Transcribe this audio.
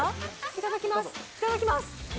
いただきます。